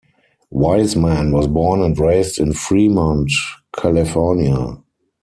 Wiseman was born and raised in Fremont, California.